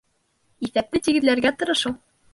Иҫәпте тигеҙләргә тырышыу